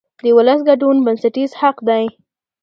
د ولس ګډون بنسټیز حق دی